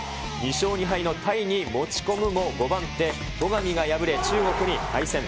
２勝２敗のタイに持ち込むも、５番手、戸上が敗れ、中国に敗戦。